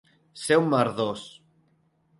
Ser un merdós.